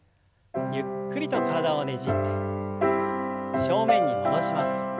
ゆっくりと体をねじって正面に戻します。